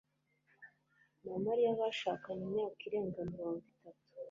na Mariya bashakanye imyaka irenga mirongo itatu